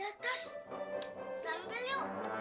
agus terbuka bro